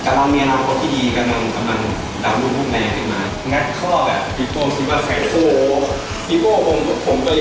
จับไว้ตัวแคงปั้งเล่น